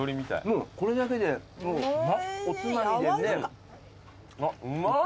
もうこれだけでおつまみでね。